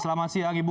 selamat siang ibu